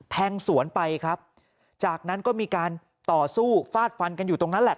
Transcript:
แทงสวนไปครับจากนั้นก็มีการต่อสู้ฟาดฟันกันอยู่ตรงนั้นแหละ